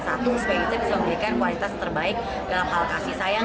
satu supaya kita bisa memberikan kualitas terbaik dalam hal kasih sayang